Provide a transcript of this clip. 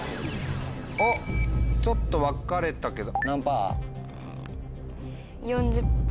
おっちょっと分かれたけど。